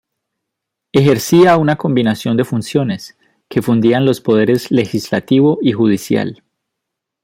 Ejercía una combinación de funciones, que fundían los poderes legislativo y judicial.